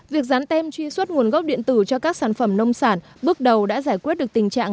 việc dán tem truy xuất nguồn gốc điện tử cho các sản phẩm nông sản bước đầu đã giải quyết được tình trạng